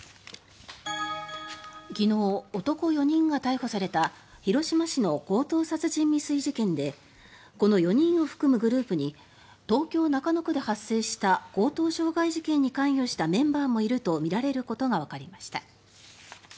昨日、男４人が逮捕された広島市の強盗殺人未遂事件でこの４人を含むグループに東京・中野区で発生した強盗傷害事件に関与したメンバーもいるとみられることがわかりました。